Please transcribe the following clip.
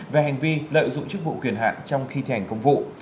về hành vi lợi dụng chức vụ quyền hạn trong khi thi hành công vụ